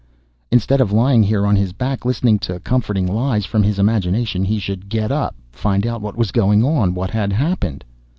Instead of lying here on his back listening to comforting lies from his imagination, he should get up, find out what was going on, what had happened.